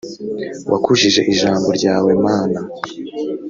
wakujije ijambo ryawe mana.